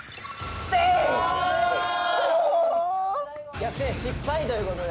逆転失敗という事で。